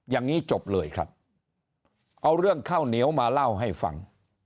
อย่างนี้จบเลยครับเอาเรื่องข้าวเหนียวมาเล่าให้ฟัง